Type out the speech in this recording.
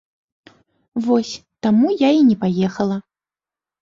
Вось, таму я і не паехала.